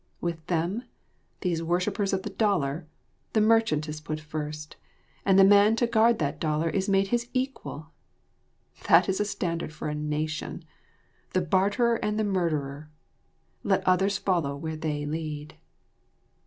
With them, these worshippers of the dollar, the merchant is put first, and the man to guard that dollar is made his equal! That is a standard for a nation! The barterer and the murderer; let others follow where they lead.